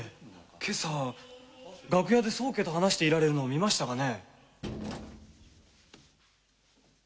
今朝楽屋で宗家と話していられるのを見ましたがね。